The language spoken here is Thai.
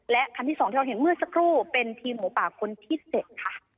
และครั้งที่สองที่เราเห็นมืดสักรูปเป็นที่หมูปากคนที่๖ค่ะ